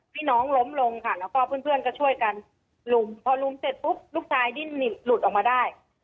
น้องล้มลงค่ะแล้วก็เพื่อนก็ช่วยกันลุมพอลุมเสร็จปุ๊บลูกชายดิ้นหลุดออกมาได้